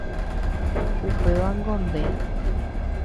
Upévango nde